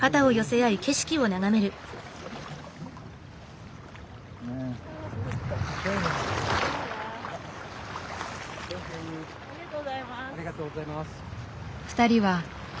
ありがとうございます。